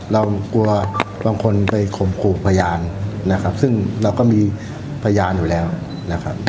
เรากลัวบางคนไปข่มขู่พยานนะครับซึ่งเราก็มีพยานอยู่แล้วนะครับ